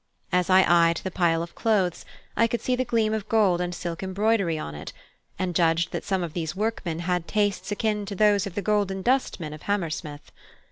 As I eyed the pile of clothes, I could see the gleam of gold and silk embroidery on it, and judged that some of these workmen had tastes akin to those of the Golden Dustman of Hammersmith.